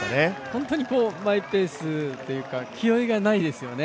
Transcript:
本当にマイペースというか気負いがないですよね。